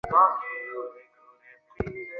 কিংবা একই বাচ্য চক্রাকারে বলা যায় না?